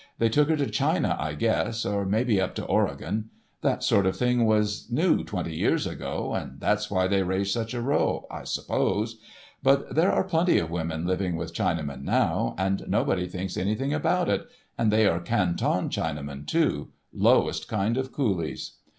"They took her to China, I guess, or may be up to Oregon. That sort of thing was new twenty years ago, and that's why they raised such a row, I suppose. But there are plenty of women living with Chinamen now, and nobody thinks anything about it, and they are Canton Chinamen, too—lowest kind of coolies.